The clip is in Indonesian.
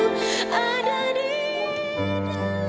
suara kamu indah sekali